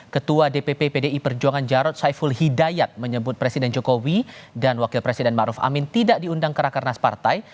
ketua dpp pdi perjuangan jarod saiful hidayat menyebut presiden jokowi dan wakil presiden maruf amin tidak diundang ke rakernas partai